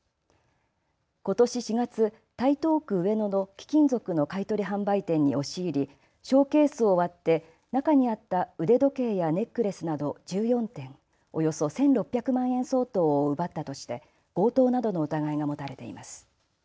ことし４月、台東区上野の貴金属の買取販売店に押し入りショーケースを割って中にあった腕時計やネックレスなど１４点、およそ１６００万円相当を奪ったとして強盗などの疑いが持たれています。